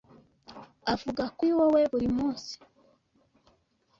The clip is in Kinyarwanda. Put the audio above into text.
avuga kuri wowe buri munsi,